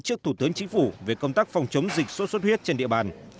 trước thủ tướng chính phủ về công tác phòng chống dịch sốt xuất huyết trên địa bàn